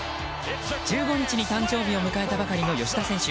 １５日に誕生日を迎えたばかりの吉田選手